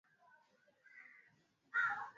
Ngazi ya kuoza ina toshaka mafuta ya kuwasha